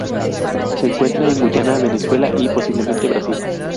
Se encuentra en Guyana, Venezuela y posiblemente Brasil.